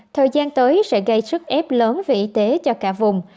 thời gian tới sẽ gây sức ép lớn về y tế cho cả vùng